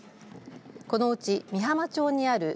このうち御浜町にあるＪＡ